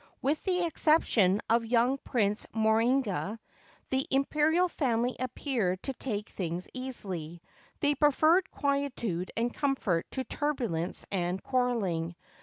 With the exception of young Prince Morinaga, the Imperial family appeared to take things easily. They preferred quietude and comfort to turbulence and quarrelling.